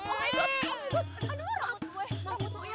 aduh rambut gue